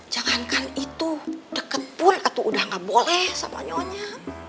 jangan kan itu deket pun atau udah nggak boleh sama nyonya